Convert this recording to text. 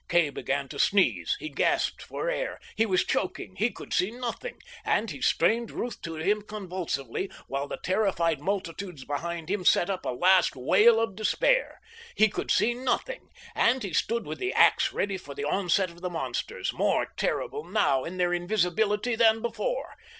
Kay began to sneeze. He gasped for air. He was choking. He could see nothing, and he strained Ruth to him convulsively, while the terrified multitudes behind him set up a last wail of despair. He could see nothing, and he stood with the ax ready for the onset of the monsters, more terrible now, in their invisibility, than before.